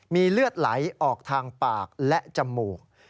มีเลือดไหลออกทางปากและจมูก